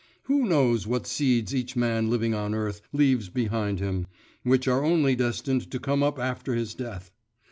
Who knows what seeds each man living on earth leaves behind him, which are only destined to come up after his death?